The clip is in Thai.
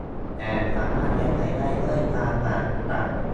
แต่สามารถแก้ไขได้ด้วยการผ่าตัด